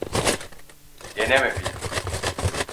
Deneme bile.